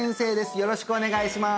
よろしくお願いします